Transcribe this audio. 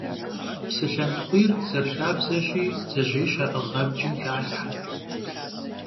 Псылъэнтхъуийр, зэрыхабзэщи, бдзэжьей щаӀыгъ абджым халъхьэ.